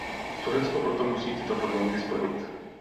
Turecko proto musí tyto podmínky splnit.